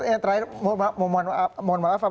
yang terakhir mohon maaf